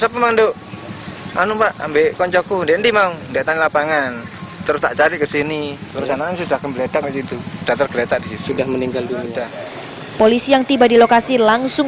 polisi yang tiba di lokasi langsung